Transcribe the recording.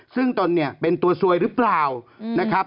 ซึ่งตนเนี่ยเป็นตัวซวยหรือเปล่านะครับ